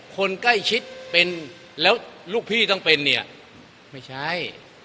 คนใกล้ชิดเป็นแล้วลูกพี่ต้องเป็นเนี่ยไม่ใช่